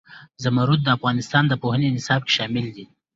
زمرد د افغانستان د پوهنې نصاب کې شامل دي.